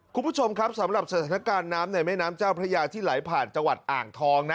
คุณผู้ชมครับสำหรับสถานการณ์น้ำในแม่น้ำเจ้าพระยาที่ไหลผ่านจังหวัดอ่างทองนะ